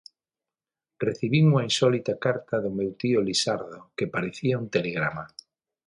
Recibín unha insólita carta do meu tío Lisardo que parecía un telegrama.